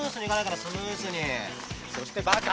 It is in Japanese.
そしてバカ。